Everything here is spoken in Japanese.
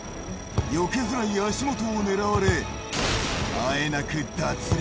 よけづらい足元を狙われ、あえなく脱落。